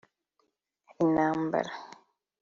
intambara